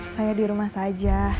saya di rumah saja